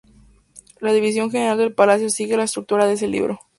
La división general del Palacio sigue la estructura de ese libro.